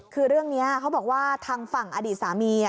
คือเรื่องนี้เขาบอกว่าทางฝั่งอดีตสามี